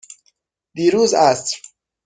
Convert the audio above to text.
دیروز عصر.